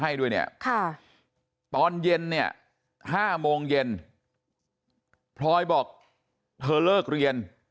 ให้ด้วยเนี่ยค่ะตอนเย็นเนี่ย๕โมงเย็นพลอยบอกเธอเลิกเรียน